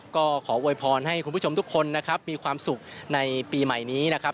ก็ขอโวยพรให้คุณผู้ชมทุกคนนะครับมีความสุขในปีใหม่นี้นะครับ